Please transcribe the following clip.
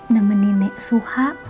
nama nenek suha